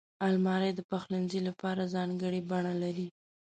الماري د پخلنځي لپاره ځانګړې بڼه لري